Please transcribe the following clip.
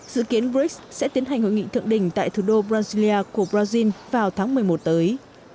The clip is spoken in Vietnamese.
dự kiến brics sẽ tiến hành hội nghị thượng đỉnh tại thủ đô brasilia của brazil vào tháng một mươi một tới